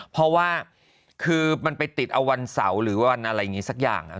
เพราะว่ามันไปติดอะวันเสาร์หรือว่าวันอะไรอีกซักอย่าง